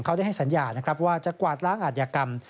เขาได้ให้สัญญานะครับว่าจะกวาดล้างอาธิกรรม